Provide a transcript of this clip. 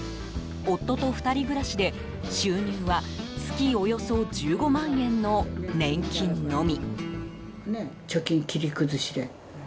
夫と２人暮らしで収入は月およそ１５万円の年金のみ。